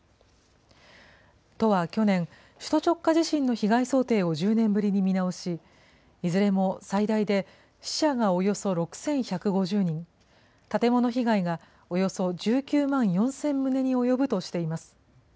都は去年、首都直下地震の被害想定を１０年ぶりに見直し、いずれも最大で死者がおよそ６１５０人、建物被害がおよそ１９万４０００棟に及ぶとしています。